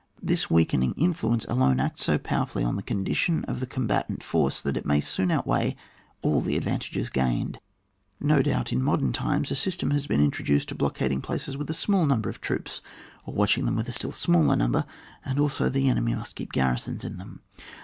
This weaken ing influence alone acts so powerfully on the eondition of the combatant force^ that it may soon outweigh all the advantages gained. No doubt, in modem times, a system has been introduced of blockading places with a small number of troops, or of watching them with a still smaller number ; and also the enemy must keep garrisons in them.